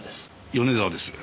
米沢です。